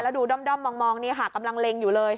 แล้วดูด้อมมองนี่ค่ะกำลังเล็งอยู่เลย